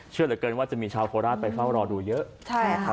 เชื่อเหลือเกินว่าจะมีชาวโคราชไปเฝ้ารอดูเยอะนะครับ